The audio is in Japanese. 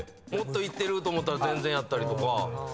もっといってると思ったら全然やったりとか。